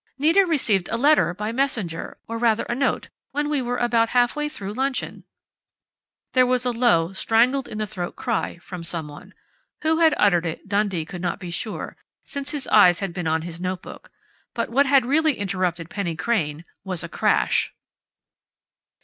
Nita received a letter by messenger or rather a note, when we were about half through luncheon " There was a low, strangled in the throat cry from someone. Who had uttered it Dundee could not be sure, since his eyes had been on his notebook. But what had really interrupted Penny Crain was a crash.